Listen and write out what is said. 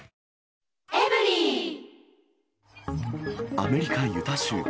アメリカ・ユタ州。